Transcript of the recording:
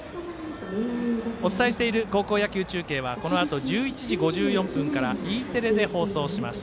お伝えしている高校野球中継はこのあと１１時５４分からＥテレで放送します。